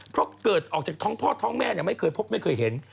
เพราะเกิดออกจากท้องพ่อท้องแม่ไม่เคยพบไม่เคยเห็น